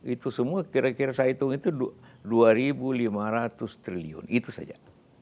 itu semua kira kira saya hitung itu dua lima ratus triliun itu saja